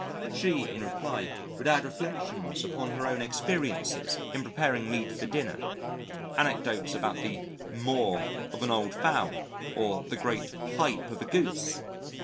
She, in reply, would add reflections upon her own experiences in preparing meat for dinner anecdotes about the "maw" of an old Fowl, or the great "pipe" of a Goose.